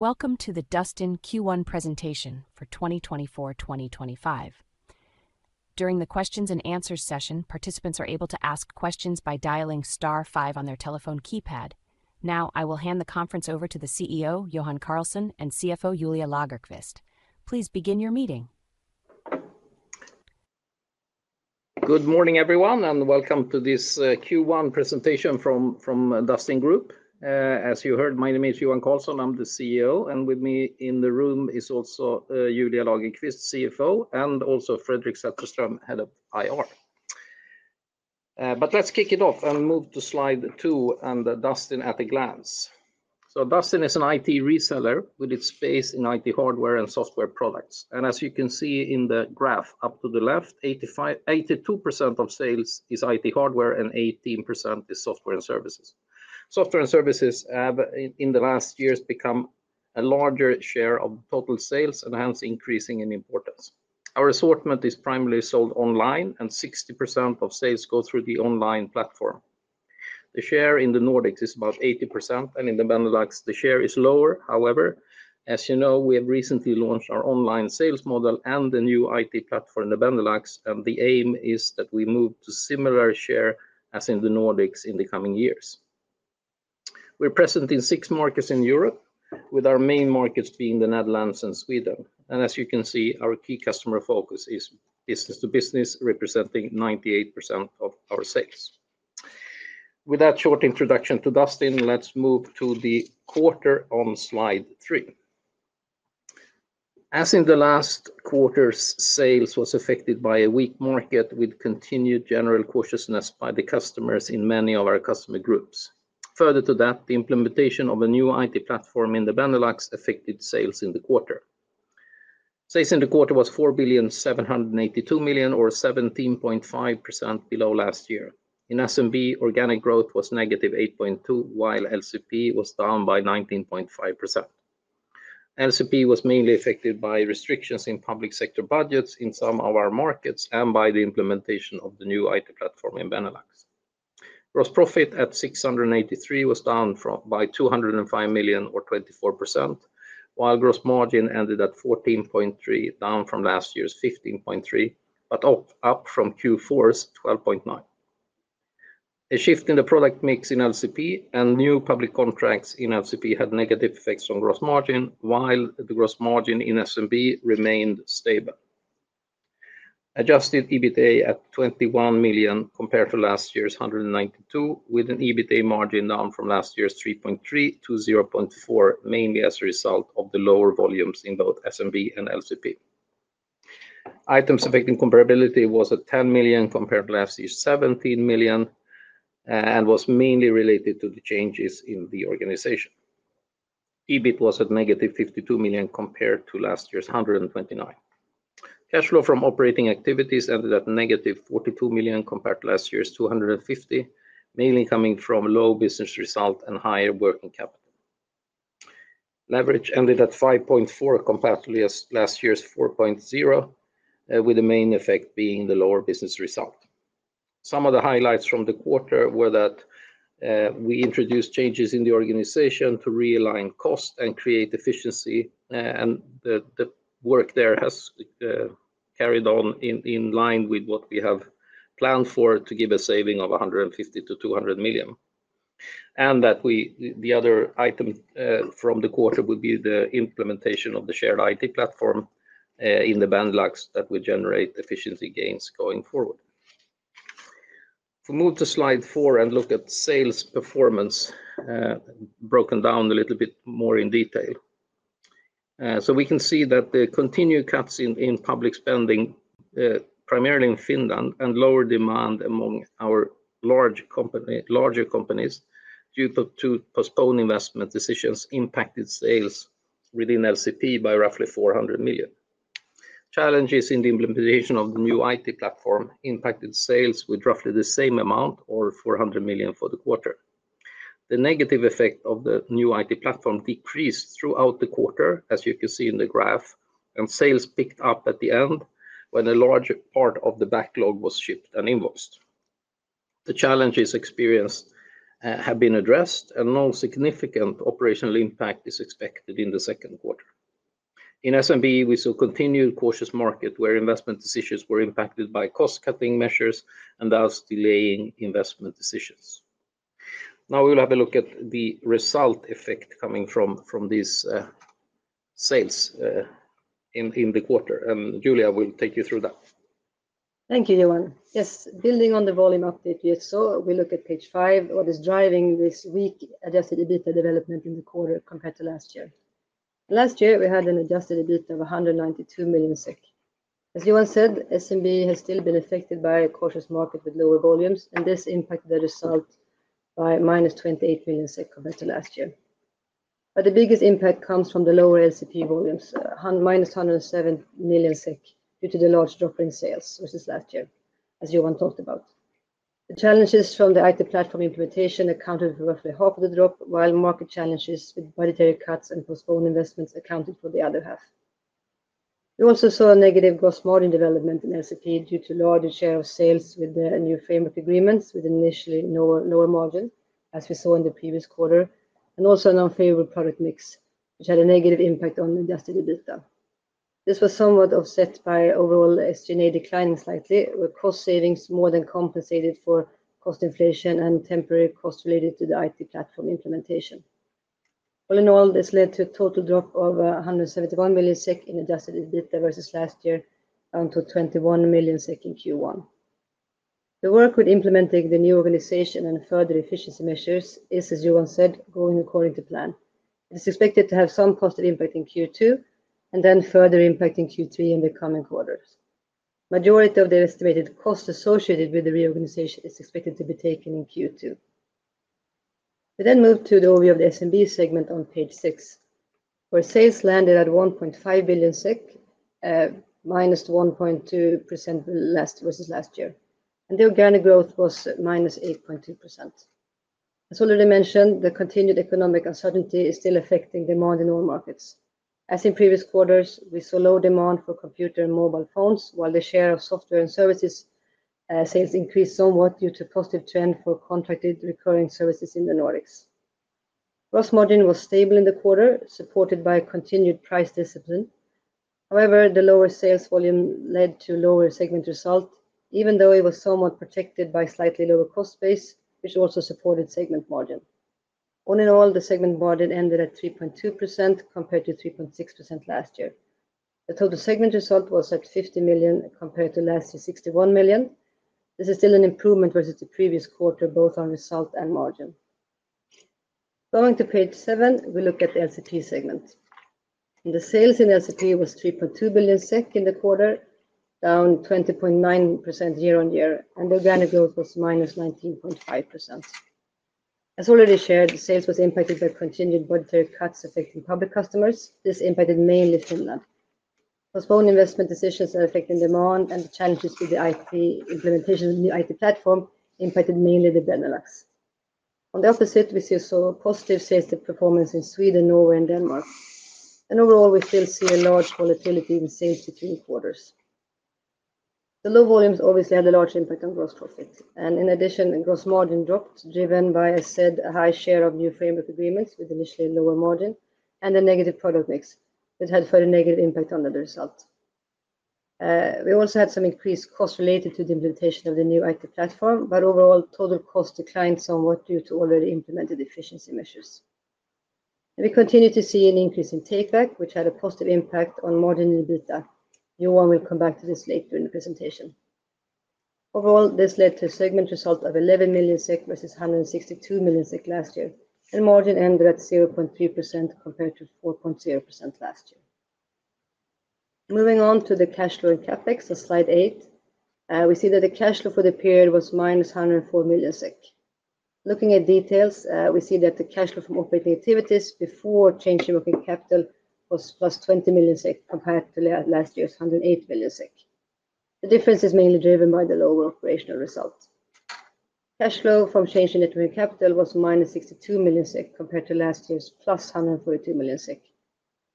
Welcome to the Dustin Q1 presentation for 2024-2025. During the Q&A session, participants are able to ask questions by dialing star five on their telephone keypad. Now, I will hand the conference over to the CEO, Johan Karlsson, and CFO, Julia Lagerqvist. Please begin your meeting. Good morning, everyone, and welcome to this Q1 presentation from Dustin Group. As you heard, my name is Johan Karlsson. I'm the CEO, and with me in the room is also Julia Lagerqvist, CFO, and also Fredrik Sätterström, Head of IR. But let's kick it off and move to slide two, and Dustin at a glance. So Dustin is an IT reseller with its base in IT hardware and software products. And as you can see in the graph up to the left, 82% of sales is IT hardware and 18% is software and services. Software and services have, in the last years, become a larger share of total sales, and hence increasing in importance. Our assortment is primarily sold online, and 60% of sales go through the online platform. The share in the Nordics is about 80%, and in the Benelux, the share is lower. However, as you know, we have recently launched our online sales model and the new IT platform in the Benelux, and the aim is that we move to a similar share as in the Nordics in the coming years. We're present in six markets in Europe, with our main markets being the Netherlands and Sweden, and as you can see, our key customer focus is business-to-business, representing 98% of our sales. With that short introduction to Dustin, let's move to the quarter on slide 3. As in the last quarter, sales were affected by a weak market, with continued general cautiousness by the customers in many of our customer groups. Further to that, the implementation of a new IT platform in the Benelux affected sales in the quarter. Sales in the quarter was 4,782 million, or 17.5% below last year. In SMB, organic growth was -8.2%, while LCP was down by 19.5%. LCP was mainly affected by restrictions in public sector budgets in some of our markets and by the implementation of the new IT platform in Benelux. Gross profit at 683 million was down by 205 million, or 24%, while gross margin ended at 14.3%, down from last year's 15.3%, but up from Q4's 12.9%. A shift in the product mix in LCP and new public contracts in LCP had negative effects on gross margin, while the gross margin in SMB remained stable. Adjusted EBITDA at 21 million compared to last year's 192 million, with an EBITDA margin down from last year's 3.3% to 0.4%, mainly as a result of the lower volumes in both SMB and LCP. Items affecting comparability were at 10 million compared to last year's 17 million and were mainly related to the changes in the organization. EBIT was at -52 million compared to last year's 129 million. Cash flow from operating activities ended at -42 million compared to last year's 250 million, mainly coming from low business result and higher working capital. Leverage ended at 5.4% compared to last year's 4.0%, with the main effect being the lower business result. Some of the highlights from the quarter were that we introduced changes in the organization to realign costs and create efficiency, and the work there has carried on in line with what we have planned for to give a saving of 150 million-200 million, and that the other item from the quarter would be the implementation of the shared IT platform in the Benelux that would generate efficiency gains going forward. We'll move to slide 4 and look at sales performance broken down a little bit more in detail. We can see that the continued cuts in public spending, primarily in Finland, and lower demand among our larger companies due to postponed investment decisions impacted sales within LCP by roughly 400 million. Challenges in the implementation of the new IT platform impacted sales with roughly the same amount, or 400 million for the quarter. The negative effect of the new IT platform decreased throughout the quarter, as you can see in the graph, and sales picked up at the end when a large part of the backlog was shipped and invoiced. The challenges experienced have been addressed, and no significant operational impact is expected in the second quarter. In SMB, we saw continued cautious market where investment decisions were impacted by cost-cutting measures and thus delaying investment decisions. Now we'll have a look at the result effect coming from these sales in the quarter, and Julia will take you through that. Thank you, Johan. Yes, building on the volume update we saw, we look at page 5, what is driving this weak Adjusted EBITDA development in the quarter compared to last year. Last year, we had an Adjusted EBITDA of 192 million SEK. As Johan said, SMB has still been affected by a cautious market with lower volumes, and this impacted the result by minus 28 million SEK compared to last year. But the biggest impact comes from the lower LCP volumes, minus 107 million SEK due to the large drop in sales, which is last year, as Johan talked about. The challenges from the IT platform implementation accounted for roughly half of the drop, while market challenges with budgetary cuts and postponed investments accounted for the other half. We also saw a negative gross margin development in LCP due to a larger share of sales with the new framework agreements, with initially lower margin, as we saw in the previous quarter, and also an unfavorable product mix, which had a negative impact on adjusted EBITDA. This was somewhat offset by overall SG&A declining slightly, with cost savings more than compensated for cost inflation and temporary costs related to the IT platform implementation. All in all, this led to a total drop of 171 million SEK in adjusted EBITDA versus last year, down to 21 million SEK in Q1. The work with implementing the new organization and further efficiency measures is, as Johan said, going according to plan. It is expected to have some positive impact in Q2 and then further impact in Q3 in the coming quarters. The majority of the estimated costs associated with the reorganization is expected to be taken in Q2. We then move to the overview of the SMB segment on page six, where sales landed at 1.5 billion SEK, minus 1.2% versus last year, and the organic growth was minus 8.2%. As already mentioned, the continued economic uncertainty is still affecting demand in all markets. As in previous quarters, we saw low demand for computer and mobile phones, while the share of software and services sales increased somewhat due to a positive trend for contracted recurring services in the Nordics. Gross margin was stable in the quarter, supported by continued price discipline. However, the lower sales volume led to a lower segment result, even though it was somewhat protected by a slightly lower cost base, which also supported segment margin. All in all, the segment margin ended at 3.2% compared to 3.6% last year. The total segment result was at 50 million compared to last year's 61 million. This is still an improvement versus the previous quarter, both on result and margin. Going to page seven, we look at the LCP segment. The sales in LCP was 3.2 billion SEK in the quarter, down 20.9% year on year, and the organic growth was minus 19.5%. As already shared, sales were impacted by continued budgetary cuts affecting public customers. This impacted mainly Finland. Postponed investment decisions that affected demand and the challenges to the IT implementation of the new IT platform impacted mainly the Benelux. On the opposite, we still saw positive sales performance in Sweden, Norway, and Denmark. Overall, we still see a large volatility in sales between quarters. The low volumes obviously had a large impact on gross profits, and in addition, the gross margin dropped driven by, as said, a high share of new framework agreements with initially lower margin and a negative product mix that had a further negative impact on the result. We also had some increased costs related to the implementation of the new IT platform, but overall, total costs declined somewhat due to already implemented efficiency measures. We continue to see an increase in take-back, which had a positive impact on margin and EBITDA. Johan will come back to this later in the presentation. Overall, this led to a segment result of 11 million SEK versus 162 million SEK last year, and margin ended at 0.3% compared to 4.0% last year. Moving on to the cash flow and CapEx on slide eight, we see that the cash flow for the period was minus 104 million SEK. Looking at details, we see that the cash flow from operating activities before change in working capital was plus 20 million SEK compared to last year's 108 million SEK. The difference is mainly driven by the lower operational result. Cash flow from change in working capital was -62 million SEK compared to last year+ 142 million SEK,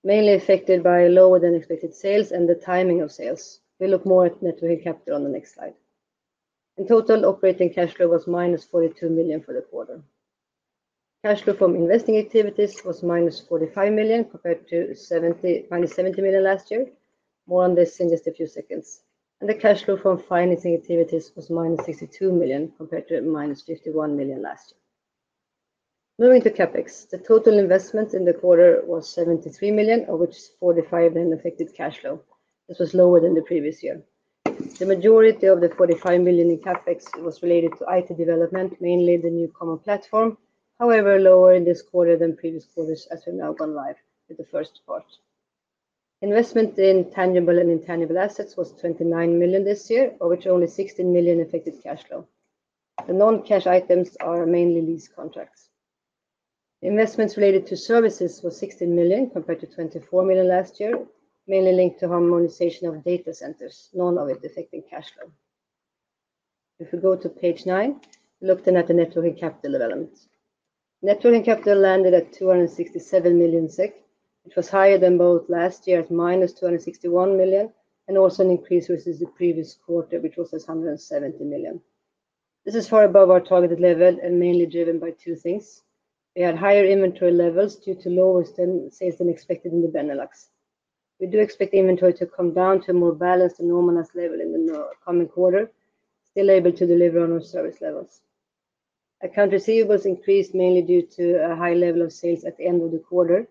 mainly affected by lower than expected sales and the timing of sales. We'll look more at working capital on the next slide. In total, operating cash flow was -42 million for the quarter. Cash flow from investing activities was -45 million compared to -70 million last year. More on this in just a few seconds. The cash flow from financing activities was -62 million compared to -51 million last year. Moving to CapEx, the total investment in the quarter was 73 million, of which 45 million affected cash flow. This was lower than the previous year. The majority of the 45 million in CapEx was related to IT development, mainly the new common platform. However, lower in this quarter than previous quarters as we've now gone live with the first part. Investment in tangible and intangible assets was 29 million this year, of which only 16 million affected cash flow. The non-cash items are mainly lease contracts. Investments related to services were 16 million compared to 24 million last year, mainly linked to harmonization of data centers, none of it affecting cash flow. If we go to page 9, we're looking at the net working capital development. working capital landed at 267 million SEK. It was higher than both last year at minus 261 million SEK and also an increase versus the previous quarter, which was 170 million SEK. This is far above our targeted level and mainly driven by two things. We had higher inventory levels due to lower sales than expected in the Benelux. We do expect the inventory to come down to a more balanced and normalized level in the coming quarter, still able to deliver on our service levels. Accounts receivable increased mainly due to a high level of sales at the end of the quarter.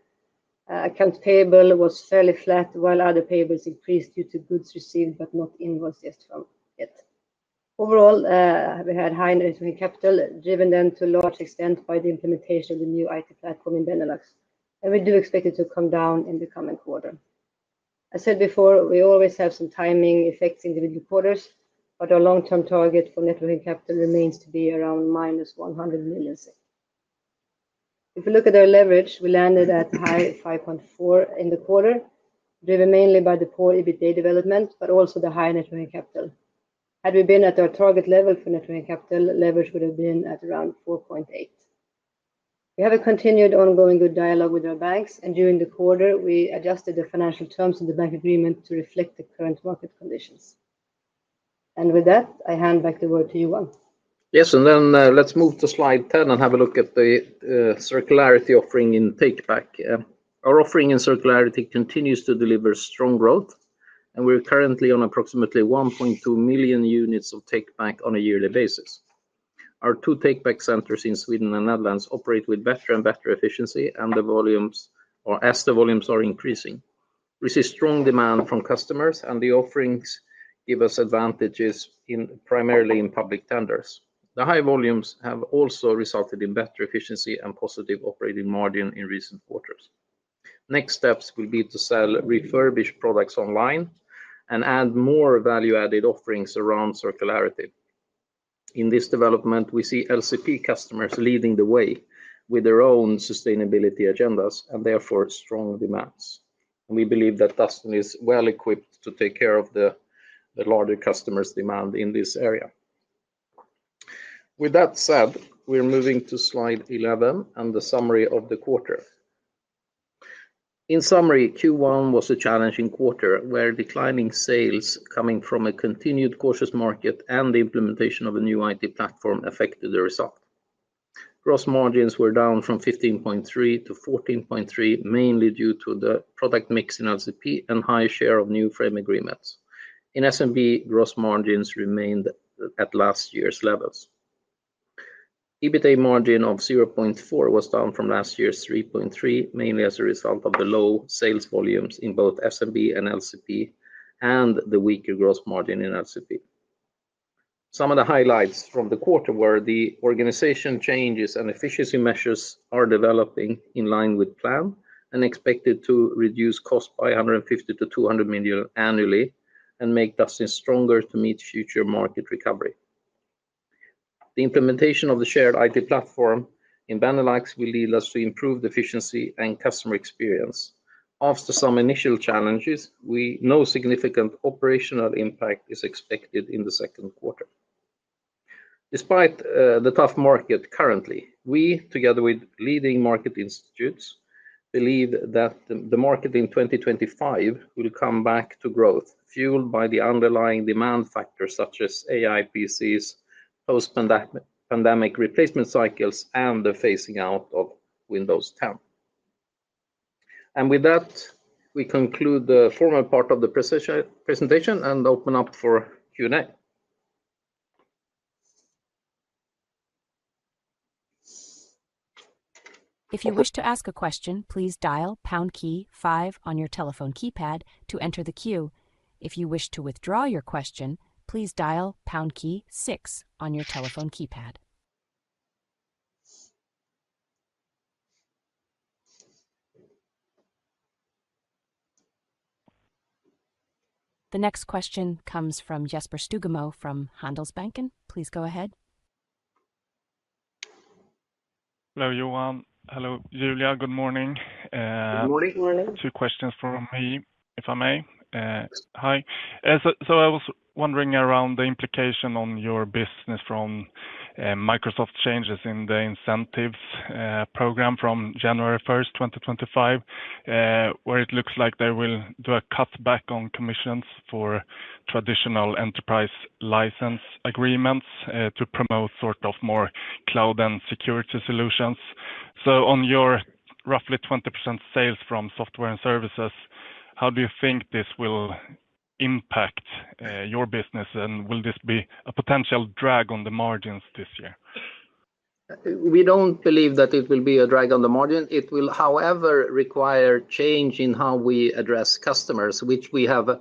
Accounts payable was fairly flat, while other payables increased due to goods received but not invoiced yet. Overall, we had high net working capital driven then to a large extent by the implementation of the new IT platform in Benelux, and we do expect it to come down in the coming quarter. As said before, we always have some timing effects in the quarters, but our long-term target for net working capital remains to be around minus 100 million. If we look at our leverage, we landed at a high of 5.4 in the quarter, driven mainly by the poor EBITDA development, but also the high net working capital. Had we been at our target level for net working capital, leverage would have been at around 4.8. We have a continued ongoing good dialogue with our banks, and during the quarter, we adjusted the financial terms of the bank agreement to reflect the current market conditions. And with that, I hand back the word to Johan. Yes, and then let's move to slide 10 and have a look at the circularity offering in take-back. Our offering in circularity continues to deliver strong growth, and we're currently on approximately 1.2 million units of take-back on a yearly basis. Our two take-back centers in Sweden and Netherlands operate with better and better efficiency, and the volumes are increasing. We see strong demand from customers, and the offerings give us advantages primarily in public tenders. The high volumes have also resulted in better efficiency and positive operating margin in recent quarters. Next steps will be to sell refurbished products online and add more value-added offerings around circularity. In this development, we see LCP customers leading the way with their own sustainability agendas and therefore strong demands. We believe that Dustin is well equipped to take care of the larger customers' demand in this area. With that said, we're moving to slide 11 and the summary of the quarter. In summary, Q1 was a challenging quarter where declining sales coming from a continued cautious market and the implementation of a new IT platform affected the result. Gross margins were down from 15.3%-14.3%, mainly due to the product mix in LCP and high share of new frame agreements. In SMB, gross margins remained at last year's levels. EBITDA margin of 0.4% was down from last year's 3.3%, mainly as a result of the low sales volumes in both SMB and LCP and the weaker gross margin in LCP. Some of the highlights from the quarter were the organization changes and efficiency measures are developing in line with plan and expected to reduce costs by 150 million-200 million annually and make Dustin stronger to meet future market recovery. The implementation of the shared IT platform in Benelux will lead us to improve efficiency and customer experience. After some initial challenges, we know significant operational impact is expected in the second quarter. Despite the tough market currently, we, together with leading market institutes, believe that the market in 2025 will come back to growth, fueled by the underlying demand factors such as AI PCs, post-pandemic replacement cycles, and the phasing out of Windows 10, and with that, we conclude the formal part of the presentation and open up for Q&A. If you wish to ask a question, please dial pound key five on your telephone keypad to enter the queue. If you wish to withdraw your question, please dial pound key six on your telephone keypad. The next question comes from Jesper Stugemo from Handelsbanken. Please go ahead. Hello, Johan. Hello, Julia. Good morning. Good morning. Two questions from me, if I may. Hi. So I was wondering about the implication on your business from Microsoft's changes in the incentives program from January 1, 2025, where it looks like they will do a cutback on commissions for traditional enterprise license agreements to promote sort of more cloud and security solutions. So on your roughly 20% sales from software and services, how do you think this will impact your business, and will this be a potential drag on the margins this year? We don't believe that it will be a drag on the margin. It will, however, require change in how we address customers, which we have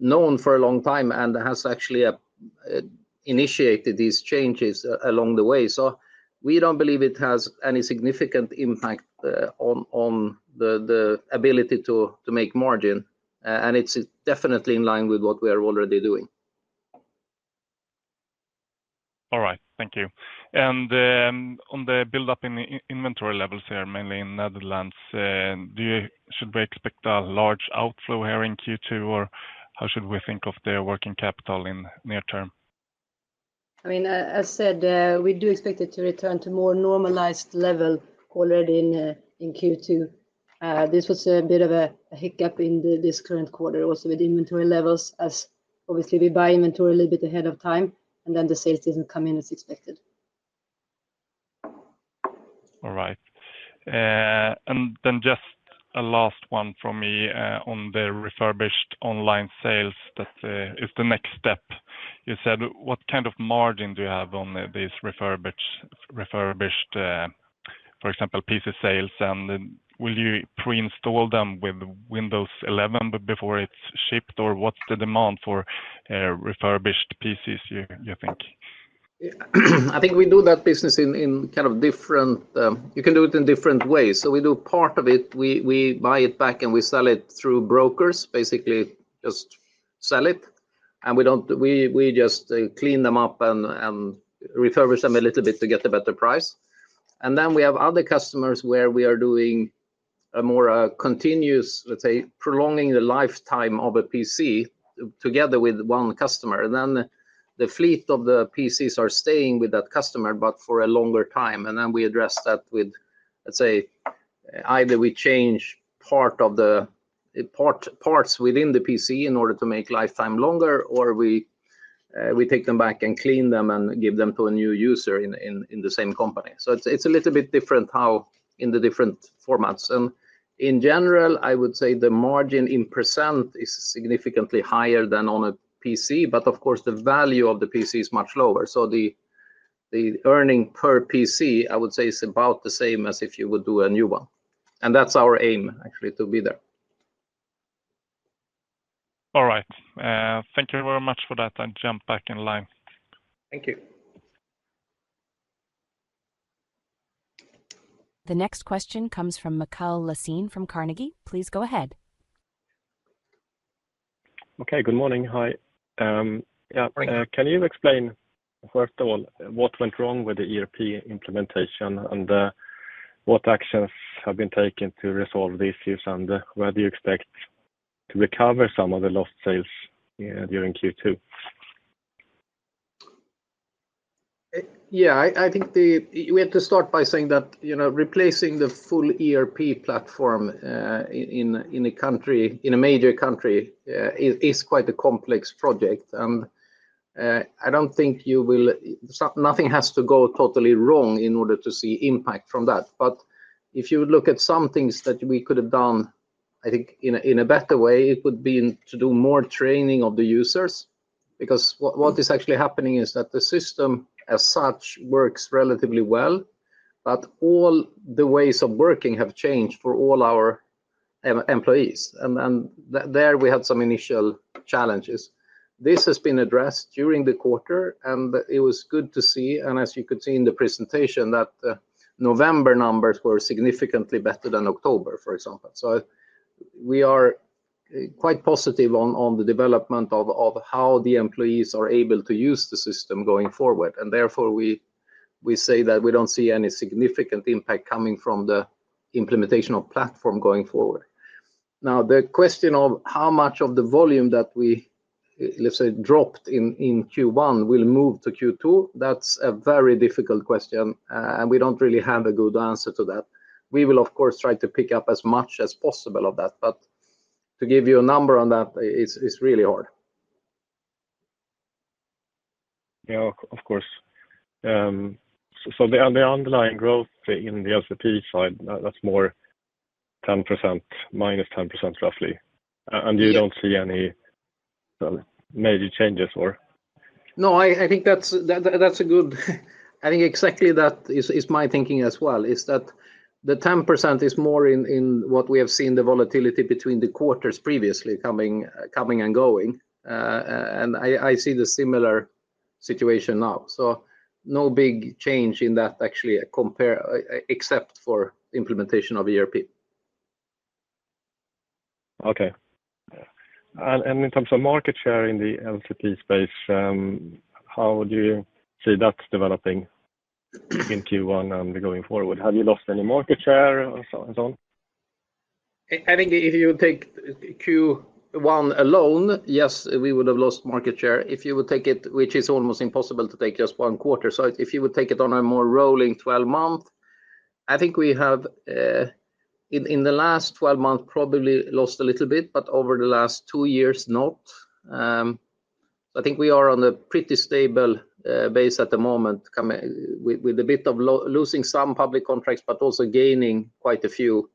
known for a long time and has actually initiated these changes along the way. So we don't believe it has any significant impact on the ability to make margin, and it's definitely in line with what we are already doing. All right. Thank you. On the build-up in inventory levels here, mainly in Netherlands, should we expect a large outflow here in Q2, or how should we think of their working capital in the near term? I mean, as said, we do expect it to return to a more normalized level already in Q2. This was a bit of a hiccup in this current quarter also with inventory levels, as obviously we buy inventory a little bit ahead of time, and then the sales didn't come in as expected. All right. And then just a last one from me on the refurbished online sales that is the next step. You said, what kind of margin do you have on these refurbished, for example, PCs sales, and will you pre-install them with Windows 11 before it's shipped, or what's the demand for refurbished PCs, you think? I think we do that business in kind of different ways. You can do it in different ways. So we do part of it, we buy it back and we sell it through brokers, basically just sell it, and we just clean them up and refurbish them a little bit to get a better price. And then we have other customers where we are doing a more continuous, let's say, prolonging the lifetime of a PC together with one customer. And then the fleet of the PCs are staying with that customer, but for a longer time. And then we address that with, let's say, either we change parts within the PC in order to make lifetime longer, or we take them back and clean them and give them to a new user in the same company. So it's a little bit different in the different formats. And in general, I would say the margin in percent is significantly higher than on a PC, but of course, the value of the PC is much lower. So the earning per PC, I would say, is about the same as if you would do a new one. And that's our aim, actually, to be there. All right. Thank you very much for that. I'll jump back in line. Thank you. The next question comes from Mikael Laséen from Carnegie. Please go ahead. Okay. Good morning. Hi. Yeah. Can you explain, first of all, what went wrong with the ERP implementation and what actions have been taken to resolve the issues and whether you expect to recover some of the lost sales during Q2? Yeah. I think we have to start by saying that replacing the full ERP platform in a major country is quite a complex project. And I don't think you'll see that nothing has to go totally wrong in order to see impact from that. But if you look at some things that we could have done, I think in a better way, it would be to do more training of the users because what is actually happening is that the system as such works relatively well, but all the ways of working have changed for all our employees. And then there we had some initial challenges. This has been addressed during the quarter, and it was good to see, and as you could see in the presentation, that November numbers were significantly better than October, for example. So we are quite positive on the development of how the employees are able to use the system going forward. And therefore, we say that we don't see any significant impact coming from the implementation of the platform going forward. Now, the question of how much of the volume that we, let's say, dropped in Q1 will move to Q2, that's a very difficult question, and we don't really have a good answer to that. We will, of course, try to pick up as much as possible of that, but to give you a number on that, it's really hard. Yeah, of course. So the underlying growth in the LCP side, that's more 10%, minus 10% roughly. And you don't see any major changes, or? No, I think that's a good. Exactly that is my thinking as well, that the 10% is more in what we have seen, the volatility between the quarters previously coming and going, and I see the similar situation now, so no big change in that, actually, except for implementation of ERP. Okay. And in terms of market share in the LCP space, how do you see that developing in Q1 and going forward? Have you lost any market share and so on? I think if you take Q1 alone, yes, we would have lost market share. If you would take it, which is almost impossible to take just one quarter. So if you would take it on a more rolling 12-month, I think we have, in the last 12 months, probably lost a little bit, but over the last two years, not. So I think we are on a pretty stable base at the moment, with a bit of losing some public contracts, but also gaining quite a few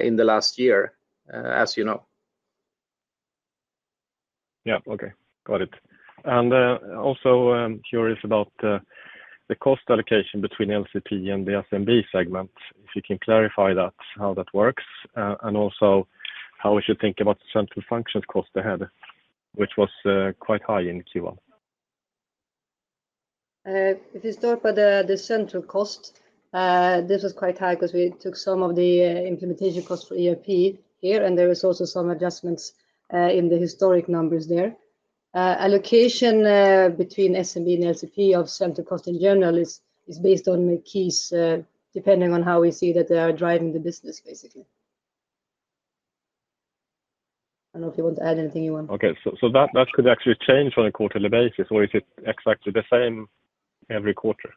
in the last year, as you know. Yeah. Okay. Got it. And also curious about the cost allocation between LCP and the SMB segment, if you can clarify that, how that works, and also how we should think about central functions costs ahead, which was quite high in Q1. If you start with the central cost, this was quite high because we took some of the implementation costs for ERP here, and there were also some adjustments in the historic numbers there. Allocation between SMB and LCP of central cost in general is based on the keys, depending on how we see that they are driving the business, basically. I don't know if you want to add anything, Johan. Okay. So that could actually change on a quarterly basis, or is it exactly the same every quarter?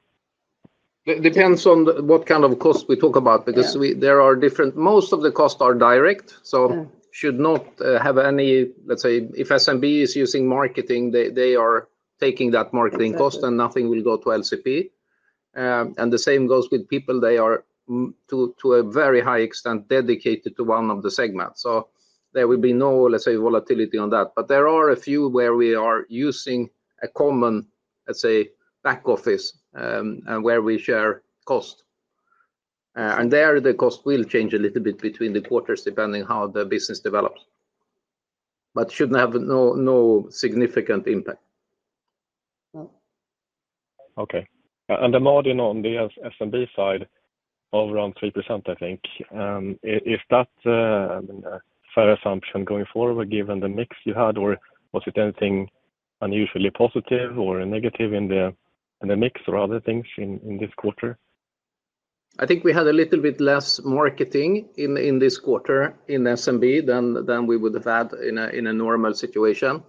It depends on what kind of cost we talk about because there are different. Most of the costs are direct. So should not have any, let's say, if SMB is using marketing, they are taking that marketing cost, and nothing will go to LCP. And the same goes with people. They are, to a very high extent, dedicated to one of the segments. So there will be no, let's say, volatility on that. But there are a few where we are using a common, let's say, back office and where we share cost. And there, the cost will change a little bit between the quarters, depending on how the business develops, but shouldn't have no significant impact. Okay, and the margin on the SMB side of around 3%, I think. Is that a fair assumption going forward, given the mix you had, or was it anything unusually positive or negative in the mix or other things in this quarter? I think we had a little bit less marketing in this quarter in SMB than we would have had in a normal situation.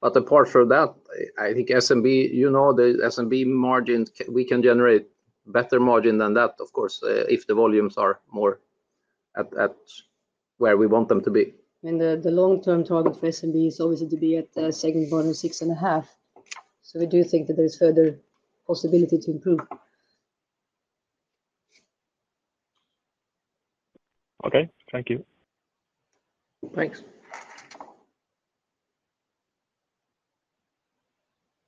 But apart from that, I think SMB, you know the SMB margin, we can generate better margin than that, of course, if the volumes are more at where we want them to be. I mean, the long-term target for SMB is obviously to be at the second quarter, 6.5. So we do think that there is further possibility to improve. Okay. Thank you. Thanks.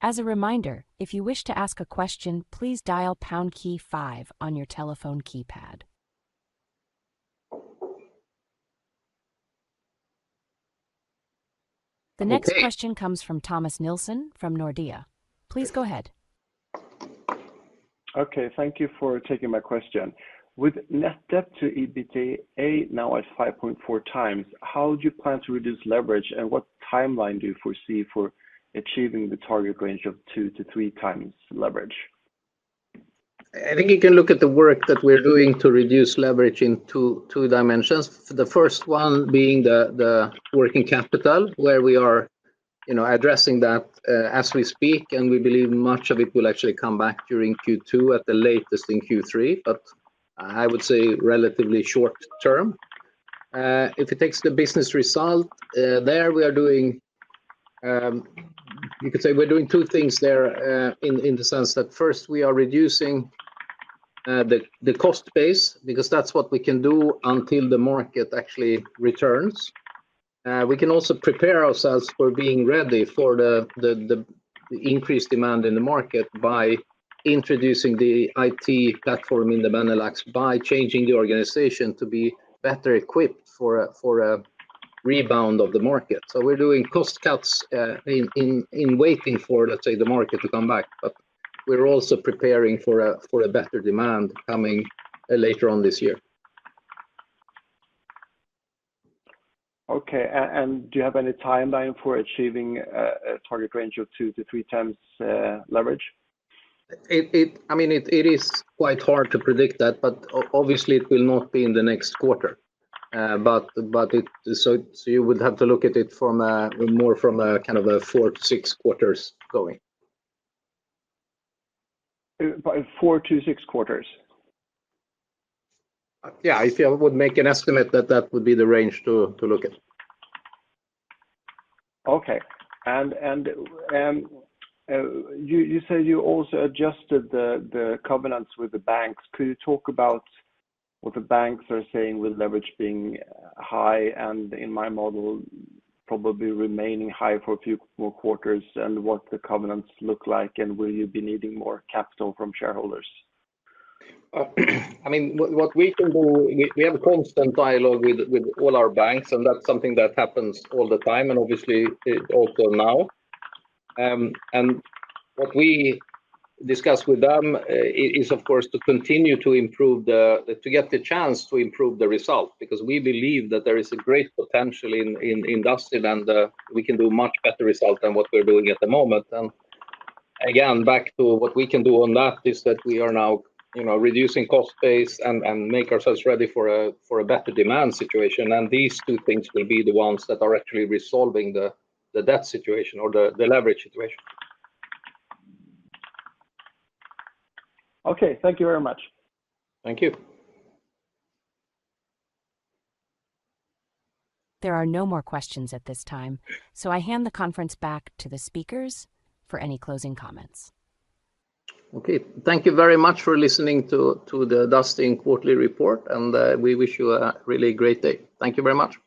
As a reminder, if you wish to ask a question, please dial pound key five on your telephone keypad. The next question comes from Thomas Nielsen from Nordea. Please go ahead. Okay. Thank you for taking my question. With net debt to EBITDA now at 5.4 times, how do you plan to reduce leverage, and what timeline do you foresee for achieving the target range of 2 times-3 times leverage? I think you can look at the work that we're doing to reduce leverage in two dimensions. The first one being the working capital, where we are addressing that as we speak, and we believe much of it will actually come back during Q2, at the latest in Q3, but I would say relatively short term. If it takes the business result there, we are doing, you could say, we're doing two things there in the sense that first, we are reducing the cost base because that's what we can do until the market actually returns. We can also prepare ourselves for being ready for the increased demand in the market by introducing the IT platform in the Benelux, by changing the organization to be better equipped for a rebound of the market. So we're doing cost cuts while waiting for, let's say, the market to come back, but we're also preparing for a better demand coming later on this year. Okay. And do you have any timeline for achieving a target range of 2 times-3 times leverage? I mean, it is quite hard to predict that, but obviously, it will not be in the next quarter. But so you would have to look at it more from a kind of a four to six quarters going. Four to six quarters. Yeah. I would make an estimate that that would be the range to look at. Okay. And you said you also adjusted the covenants with the banks. Could you talk about what the banks are saying with leverage being high and, in my model, probably remaining high for a few more quarters, and what the covenants look like, and will you be needing more capital from shareholders? I mean, what we can do, we have a constant dialogue with all our banks, and that's something that happens all the time, and obviously, also now. What we discuss with them is, of course, to continue to improve, to get the chance to improve the result because we believe that there is a great potential in Dustin and we can do a much better result than what we're doing at the moment. Again, back to what we can do on that is that we are now reducing cost base and make ourselves ready for a better demand situation. These two things will be the ones that are actually resolving the debt situation or the leverage situation. Okay. Thank you very much. Thank you. There are no more questions at this time, so I hand the conference back to the speakers for any closing comments. Okay. Thank you very much for listening to the Dustin quarterly report, and we wish you a really great day. Thank you very much.